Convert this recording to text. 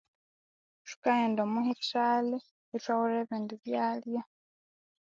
Thukaghenda omwa hithali ithwaghulha ebindi byalya